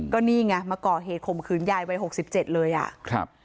ก็นี่ไงมาก่อเหตุข่มขืนยายวัยหกสิบเจ็ดเลยอ่ะครับ